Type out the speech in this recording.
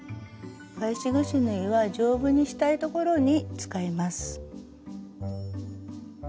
返しぐし縫いは丈夫にしたい所に使います。